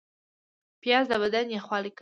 پیاز د بدن یخوالی کموي